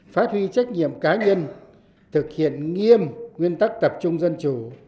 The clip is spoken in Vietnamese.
phát huy trách nhiệm cá nhân thực hiện nghiêm nguyên tắc tập trung dân chủ